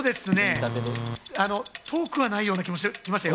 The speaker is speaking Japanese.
遠くないような気がしてきましたよ。